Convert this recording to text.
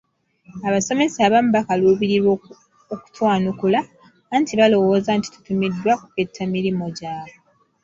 Abasomesa abamu baakaluubirirwa okutwanukula anti baalowooza nti tutumiddwa ku kketta mirimo gyabwe.